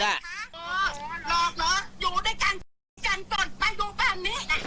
หลอกหรออยู่ด้วยกันกันก่อนมาอยู่บ้านนี้